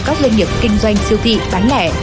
các doanh nghiệp kinh doanh siêu thị bán lẻ